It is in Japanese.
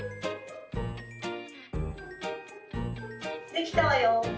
「できたわよ」。